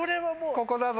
ここだぞ。